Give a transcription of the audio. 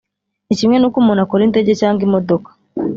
ni kimwe n’uko umuntu akora Indege cyangwa imodoka